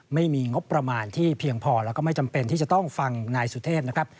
ไม่มีงบประมาณที่เพียงพอแล้วก็ไม่จำเป็นที่จะต้องฟังนายสุเทพนะครับ